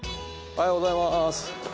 おはようございます。